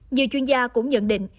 nhiều chuyên gia cũng nhận định